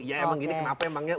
ya emang gini kenapa emangnya